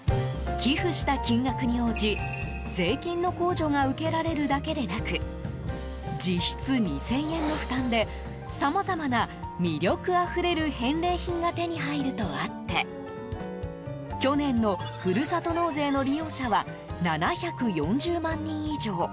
寄付した金額に応じ税金の控除が受けられるだけでなく実質２０００円の負担でさまざまな魅力あふれる返礼品が手に入るとあって去年のふるさと納税の利用者は７４０万人以上。